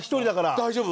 「大丈夫？」